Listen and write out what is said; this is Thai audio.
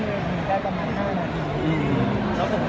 มีโครงการทุกทีใช่ไหม